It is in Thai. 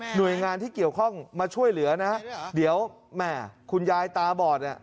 หน่วยงานที่เกี่ยวข้องมาช่วยเหลือนะฮะเดี๋ยวแม่คุณยายตาบอดเนี่ย